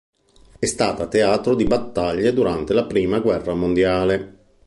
È stata teatro di battaglie durante la prima guerra mondiale.